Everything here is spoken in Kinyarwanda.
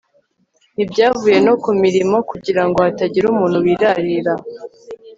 ntibyavuye no ku mirimo, kugirango hatagira umuntu wirarira